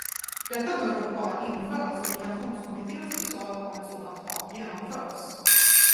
Detta bör dock bara införas om Migrationskommitténs förslag om ett sådant krav genomförs.